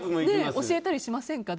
教えたりしませんか？